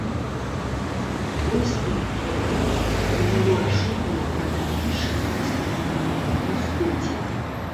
Польскае кіраўніцтва прыняло рашэнне пра далейшае наступленне на ўсходзе.